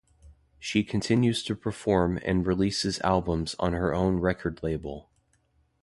She continues to perform and releases albums on her own record label.